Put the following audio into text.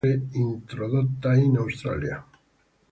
La specie è stata inoltre introdotta in Australia.